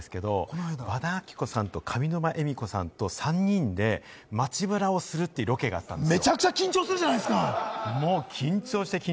ついこないだなんですけど、和田アキ子さんと上沼恵美子さんと３人で街ブラをするというロケがあったんですよ。